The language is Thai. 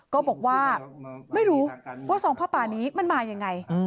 ก็บอกว่าไม่รู้ว่าซองผ้าป่านี้มันมายังไง